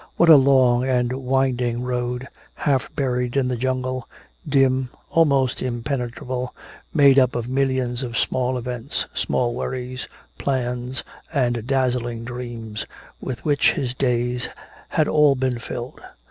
What a long and winding road, half buried in the jungle, dim, almost impenetrable, made up of millions of small events, small worries, plans and dazzling dreams, with which his days had all been filled.